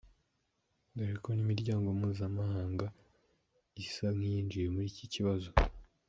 Dore ko n’imiryango mpuzamahanga isa nk’iyinjiye muri iki kibazo.